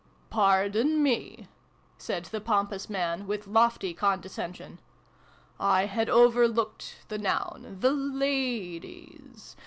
" Pardon me," said the pompous man, with lofty condescension. " I had overlooked the noun. The ladies.